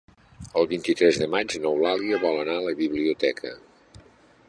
El vint-i-tres de maig n'Eulàlia vol anar a la biblioteca.